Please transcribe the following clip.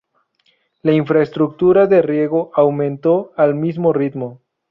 La infraestructura de riego aumento al mismo ritmo.